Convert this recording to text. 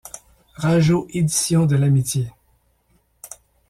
Rageot-éditions de l'Amitié.